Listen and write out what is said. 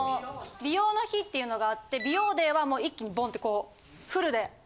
美容の日っていうのがあって美容ＤＡＹは一気にボン！ってこうフルで。